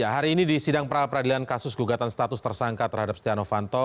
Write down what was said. hari ini di sidang pra peradilan kasus gugatan status tersangka terhadap stiano fanto